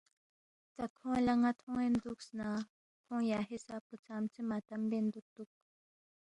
تا کھونگ لہ ن٘ا تھون٘ین دُوکس نہ کھونگ یا حساب پو ژامژے ماتم بین دُوکتُوک